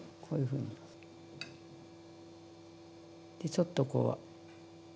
こういうふうにちょっとこう。